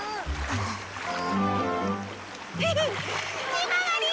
ひまわり！